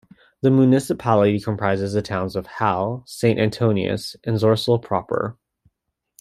The municipality comprises the towns of Halle, Saint Antonius, and Zoersel proper.